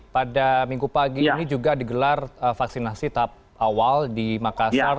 pada minggu pagi ini juga digelar vaksinasi tahap awal di makassar